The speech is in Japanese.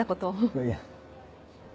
いやいや。